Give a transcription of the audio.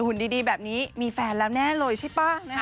หุ่นดีแบบนี้มีแฟนแล้วแน่เลยใช่ป่ะนะคะ